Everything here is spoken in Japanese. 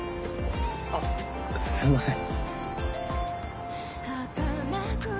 あっすいません。